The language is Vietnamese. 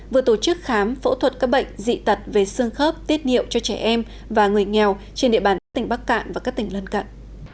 vừa tổ chức khám phẫu thuật các bệnh dị tật về xương khớp tiết niệu cho trẻ em và người nghèo trên địa bàn các tỉnh bắc cạn và các tỉnh lân cận